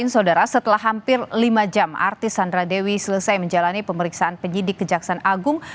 saudara setelah hampir lima jam artis sandra dewi selesai menjalani pemeriksaan penyidik kejaksaan agung